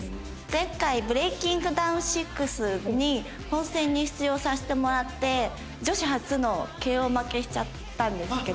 前回「ＢｒｅａｋｉｎｇＤｏｗｎ６」に本戦に出場させてもらって女子初のＫＯ負けしちゃったんですけど。